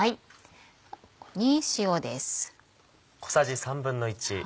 ここに塩です。